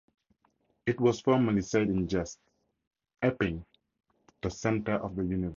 It was formerly said in jest: Epping -- the center of the universe.